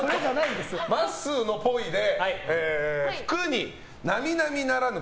まっすーのっぽいで服に並々ならぬ